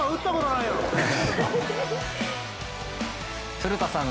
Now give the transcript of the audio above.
古田さん